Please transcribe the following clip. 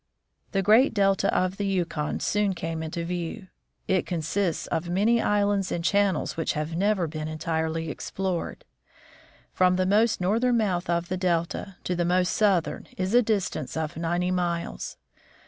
The great delta of the Yukon soon came into view. It consists of many islands and channels which have never been entirely explored. From the most northern mouth of the delta to the most southern is a distance of ninety miles.